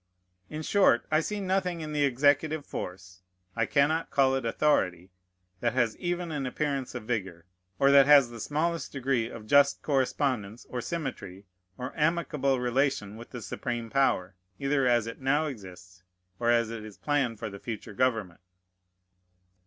In short, I see nothing in the executive force (I cannot call it authority) that has even an appearance of vigor, or that has the smallest degree of just correspondence or symmetry or amicable relation with the supreme power, either as it now exists, or as it is planned for the future government.